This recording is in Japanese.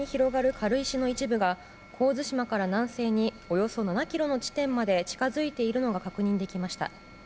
軽石の一部が神津島から南西におよそ７ｋｍの地点まで近づいているのが確認できました。